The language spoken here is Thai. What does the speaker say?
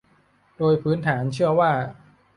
โดยพื้นฐานเชื่อว่า